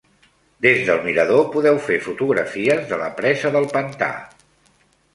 Des del mirador podeu fer fotografies de la presa del pantà.